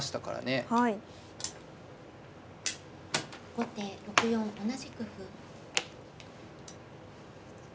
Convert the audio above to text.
後手６四同じく歩。